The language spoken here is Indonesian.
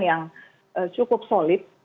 yang cukup solid